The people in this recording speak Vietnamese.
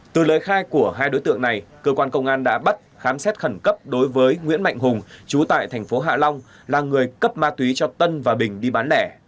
từ lời khai của hai đối tượng này cơ quan công an đã bắt khám xét khẩn cấp đối với nguyễn mạnh hùng chú tại thành phố hạ long là người cấp ma túy cho tân và bình đi bán lẻ